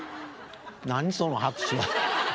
何その拍手は。